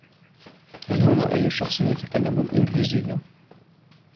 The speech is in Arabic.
هل هنا اي شخص يتكلم الانجليزية ؟